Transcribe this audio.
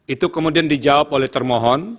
itu kemudian dijawab oleh termohon